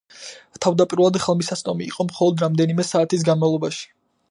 თავდაპირველად ხელმისაწვდომი იყო მხოლოდ რამდენიმე საათის განმავლობაში.